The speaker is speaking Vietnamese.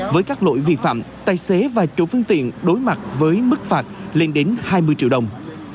với các lỗi vi phạm tài xế và chủ phương tiện đối mặt với mức phạt lên đến hai mươi triệu đồng